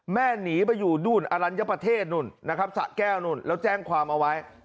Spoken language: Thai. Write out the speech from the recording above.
หนีไปอยู่นู่นอรัญญประเทศนู่นนะครับสะแก้วนู่นแล้วแจ้งความเอาไว้